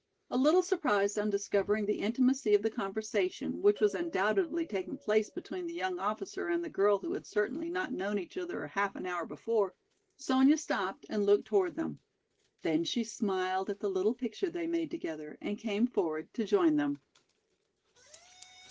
A little surprised on discovering the intimacy of the conversation, which was undoubtedly taking place between the young officer and the girl who had certainly not known each other half an hour before, Sonya stopped and looked toward them. Then she smiled at the little picture they made together and came forward to join them.